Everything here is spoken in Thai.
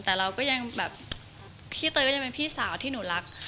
แต่เราก็ยังแบบพี่เตยก็ยังเป็นพี่สาวที่หนูรัก